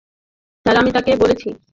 Sir, আমি তাকে বলেছি।